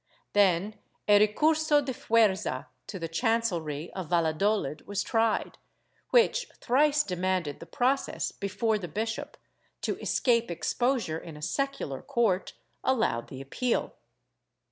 Then a recurso de fuerza to the Chancellery of Valla dolid was tried, which thrice demanded the process before the bishop, to escape exposure in a secular court, allowed the appeal.